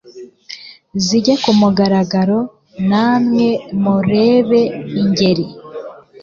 Zijye ku mugaragaro Na mwe murebe Ingeri